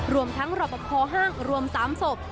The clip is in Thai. รวมทั้งรอบพอห้างรวมสามศพ